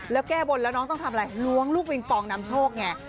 แล้วแก้บนแล้วน้องต้องทำอะไรล้วงลูกปิงปองนำโชคไง